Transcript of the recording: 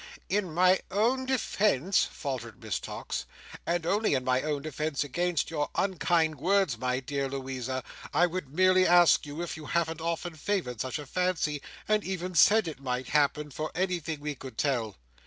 "In my own defence," faltered Miss Tox, "and only in my own defence against your unkind words, my dear Louisa, I would merely ask you if you haven't often favoured such a fancy, and even said it might happen, for anything we could tell?"